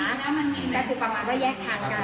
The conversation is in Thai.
แล้วก็เดินออกมาเขาก็บอกว่าพี่เดี๋ยวผมมานะ